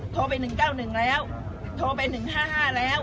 โทรไปหนึ่งเก้าหนึ่งแล้วโทรไปหนึ่งห้าห้าแล้ว